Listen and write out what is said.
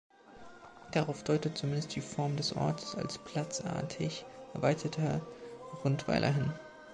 Darauf deutet zumindest die Form des Ortes als platzartig erweiterter Rundweiler hin.